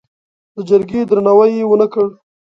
د جرګې درناوی یې ونه کړ.